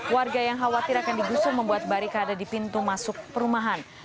warga yang khawatir akan digusur membuat barikade di pintu masuk perumahan